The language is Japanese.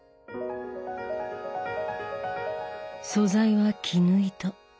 素材は絹糸。